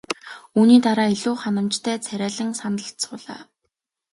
Үүний дараа илүү ханамжтай царайлан сандалд суулаа.